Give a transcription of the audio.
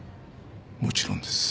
もちろんです。